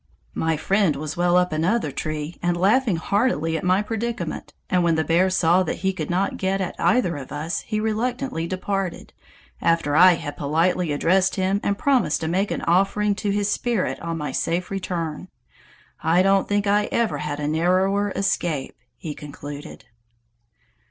"My friend was well up another tree and laughing heartily at my predicament, and when the bear saw that he could not get at either of us he reluctantly departed, after I had politely addressed him and promised to make an offering to his spirit on my safe return. I don't think I ever had a narrower escape," he concluded.